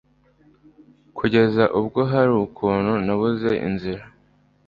Kugeza ubwo hari ukuntu nabuze inzira